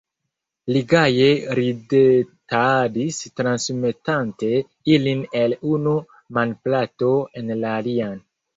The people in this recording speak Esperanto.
Li gaje ridetadis, transmetante ilin el unu manplato en la alian.